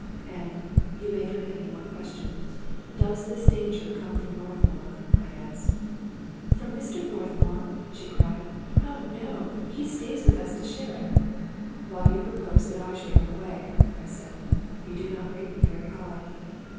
" And — you may permit me one question— does this dan ger come from Northmour? " I asked. " From Mr. Northmour? " she cried. " Oh, no, he stays with us to share it." "While you propose that I should run away?" I said. " You do not rate me very high."